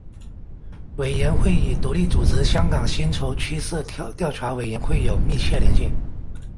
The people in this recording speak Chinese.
委员会与独立组织香港薪酬趋势调查委员会有密切联系。